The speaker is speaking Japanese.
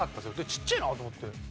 ちっちぇえなあと思って。